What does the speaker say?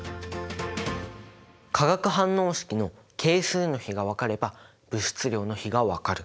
化学反応式の係数の比が分かれば物質量の比が分かる。